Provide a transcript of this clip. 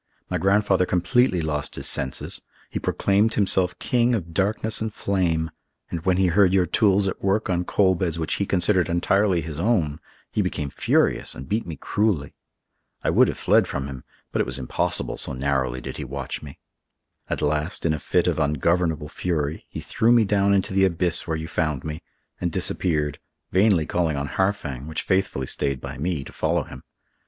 My grandfather completely lost his senses. He proclaimed himself King of Darkness and Flame; and when he heard your tools at work on coal beds which he considered entirely his own, he became furious and beat me cruelly. I would have fled from him, but it was impossible, so narrowly did he watch me. At last, in a fit of ungovernable fury, he threw me down into the abyss where you found me, and disappeared, vainly calling on Harfang, which faithfully stayed by me, to follow him.